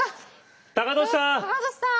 高利さん！